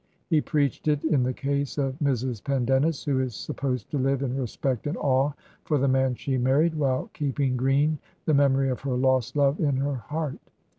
He preached it in the case of Mrs. Pendennis, who is sup posed to live in respect and awe for the man she married while keeping green the memory of her lost love in her heart.